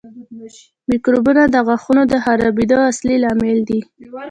میکروبونه د غاښونو د خرابېدو اصلي لامل دي.